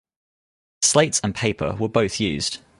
Slates and paper were both used.